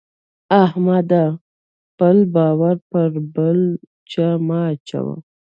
احمده! خپل بار پر بل چا مه اچوه.